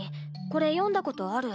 これ読んだことある。